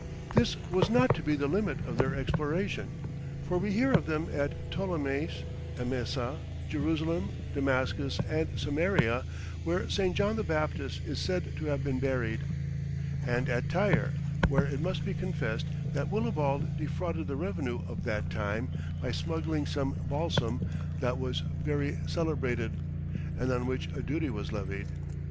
This was not to be the limit of their exploration, for we hear of them at Ptolemais, Emesa, Jerusalem, Damascus, and Samaria, where St. John the Baptist is said to have been buried, and at Tyre, where it must be confessed that Willibald defrauded the revenue of that time by smuggling some balsam that was very celebrated, and on which a duty was levied.